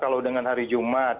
kalau dengan hari jumat